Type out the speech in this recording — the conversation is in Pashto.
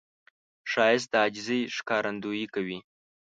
ښایست د عاجزي ښکارندویي کوي